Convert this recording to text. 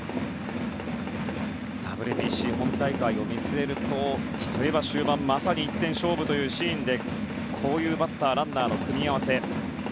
ＷＢＣ本大会を見据えると例えば終盤まさに１点勝負というシーンでこういうバッターとランナーの組み合わせ。